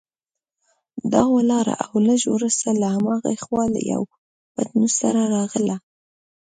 دا ولاړه او لږ وروسته له هماغې خوا له یوه پتنوس سره راغله.